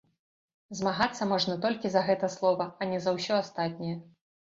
Змагацца можна толькі за гэта слова, а не за ўсё астатняе.